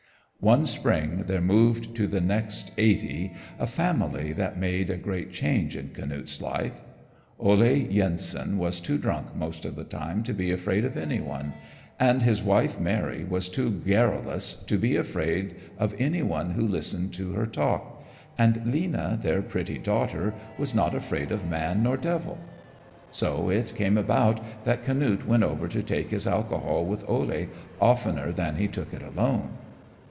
One spring there moved to the next "eighty" a family that made a great change in Canute's life. Ole Yensen was too drunk most of the time to be afraid of any one, and his wife Mary was too garrulous to be afraid of any one who listened to her talk, and Lena, their pretty daughter, was not afraid of man nor devil. So it came about that Canute went over to take his alcohol with Ole oftener than he took it alone.